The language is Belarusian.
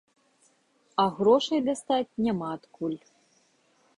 А грошай дастаць няма адкуль.